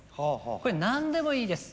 これ何でもいいです。